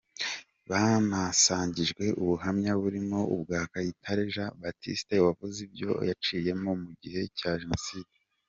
Banasangijwe ubuhamya burimo ubwa Kayitare Jean Baptiste wavuze ibyo yaciyemo mu gihe cya Jenoside.